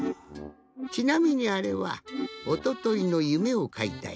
ちなみにあれはおとといのゆめをかいたえじゃ。